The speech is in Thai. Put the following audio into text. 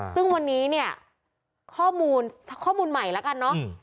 ซึ่งวันนี้เนี่ยข้อมูลข้อมูลใหม่แล้วกันเนอะ